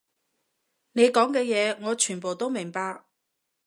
你講嘅嘢，我全部都明白